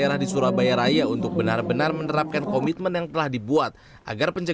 baik oleh wali kota surabaya oleh bupati gesit maupun oleh plt bupati sidoarjo